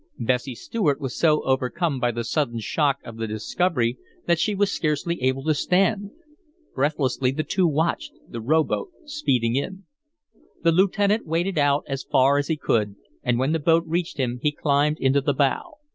Bessie Stuart was so overcome by the sudden shock of the discovery that she was scarcely able to stand, breathlessly the two watched the rowboat speeding in. The lieutenant waded out as far as he could, and when the boat reached him he climbed into the bow.